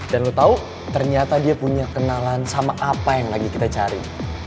dan lo tau ternyata dia punya kenalan sama apa yang lagi kita cari